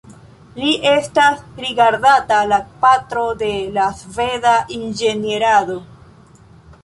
Li estas rigardata la patro de la sveda inĝenierado.